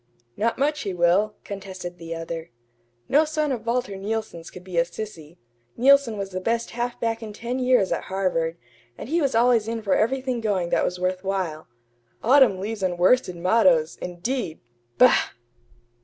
"Not much he will," contested the other. "No son of Walter Neilson's could be a sissy. Neilson was the best half back in ten years at Harvard, and he was always in for everything going that was worth while. 'Autumn leaves and worsted mottoes' indeed! Bah!"